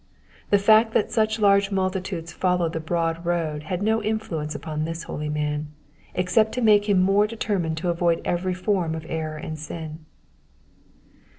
The fact that such large multitudes follow the broad road had no influence upon this holy man, except to make him more determined to avoid every form of error and sin.